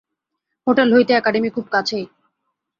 Hotel হইতে academy খুব কাছেই।